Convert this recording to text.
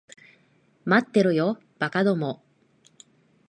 待ってろよ、馬鹿ども。